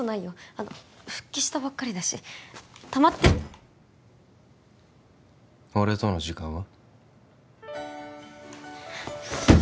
あの復帰したばっかりだしたまって俺との時間は？